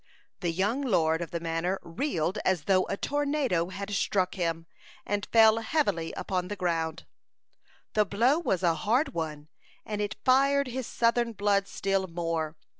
The young lord of the manor reeled as though a tornado had struck him, and fell heavily upon the ground. The blow was a hard one, and it fired his southern blood still more.